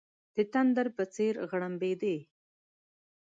د تندر په څېر غړمبېدی.